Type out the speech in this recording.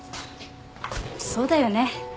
そうだよね。